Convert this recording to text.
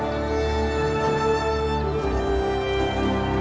masih ada yang berpengaruh